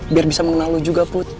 biar bisa mengenal lu juga put